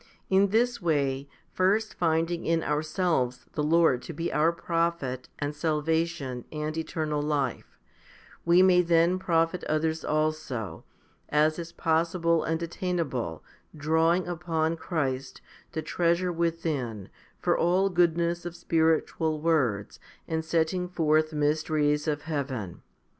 In this way, first finding in ourselves the Lord to be our profit and salvation and eternal life, we may then profit others also, as is possible and attainable, drawing upon Christ, the treasure within, for all goodness of spiritual words, and setting forth mysteries of heaven.